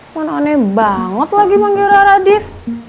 mana aneh banget lagi manggil rara div